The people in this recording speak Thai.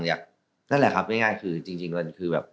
นั่นแหละครับง่ายคือจริงมันคือแบบ